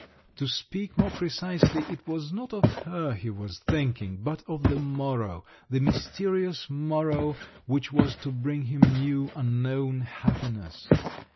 To speak more precisely, it was not of her he was thinking, but of the morrow, the mysterious morrow which was to bring him new, unknown happiness!